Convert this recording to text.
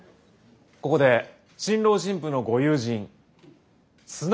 ここで新郎新婦のご友人砂川智